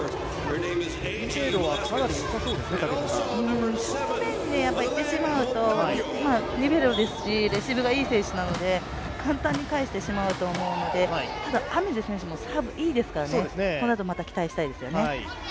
正面にいってしまうとリベロですし、レシーブがいい選手なので簡単に返してしまうのでただ愛芽世選手もサーブいいですから、このあと期待したいですね。